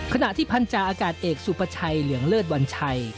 ขณะที่พันธาอากาศเอกสุภาชัยเหลืองเลิศวัญชัย